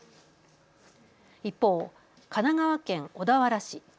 一方、神奈川県小田原市。